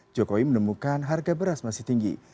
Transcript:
jokowi menemukan harga beras masih tinggi